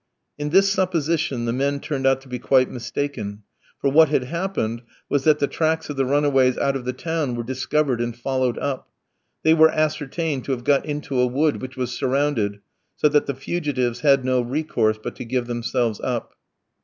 In this supposition the men turned out to be quite mistaken; for what had happened was that the tracks of the runaways out of the town were discovered and followed up; they were ascertained to have got into a wood, which was surrounded, so that the fugitives had no recourse but to give themselves up.